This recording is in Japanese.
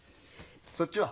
そっちは？